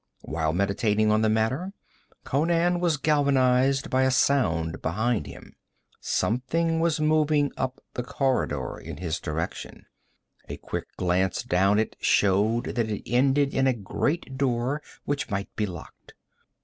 While meditating on the matter, Conan was galvanized by a sound behind him. Something was moving up the corridor in his direction. A quick glance down it showed that it ended in a great door which might be locked.